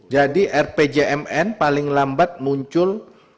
jadi rpjmn paling lambat muncul